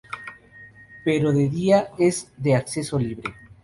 Pero de día, es de acceso libre.